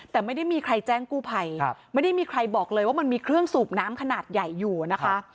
แต่ไม่ได้มีใครแจ้งกู้ภัยไม่ได้มีใครบอกเลยว่ามันมีเครื่องสูบน้ำขนาดใหญ่อยู่นะคะ